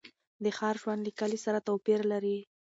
د ښار ژوند له کلي سره توپیر لري.